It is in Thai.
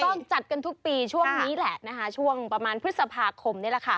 ก็จัดกันทุกปีช่วงนี้แหละนะคะช่วงประมาณพฤษภาคมนี่แหละค่ะ